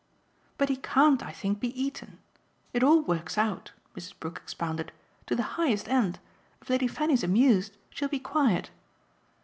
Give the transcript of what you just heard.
"But he can't, I think, be eaten. It all works out," Mrs. Brook expounded, "to the highest end. If Lady Fanny's amused she'll be quiet."